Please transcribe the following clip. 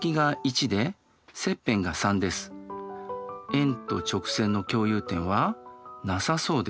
円と直線の共有点はなさそうです。